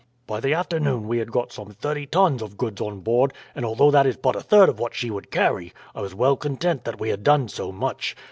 "By the afternoon we had got some thirty tons of goods on board, and although that is but a third of what she would carry, I was well content that we had done so much.